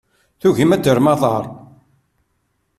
Tugim ad terrem aḍar.